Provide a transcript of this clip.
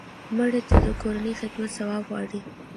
مړه ته د کورنۍ خدمت ثواب غواړو